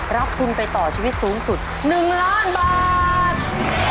รับทุนไปต่อชีวิตสูงสุด๑ล้านบาท